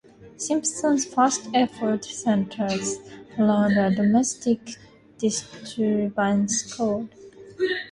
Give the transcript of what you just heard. Simpson's first effort centers around a domestic disturbance call.